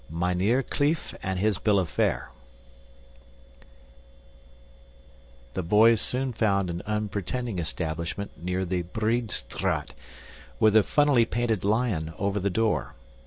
Mynheer Kleef and His Bill of Fare The boys soon found an unpretending establishment near the Breedstraat (Broad Street) with a funnily painted lion over the door.